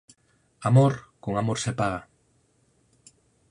Amor con amor se paga.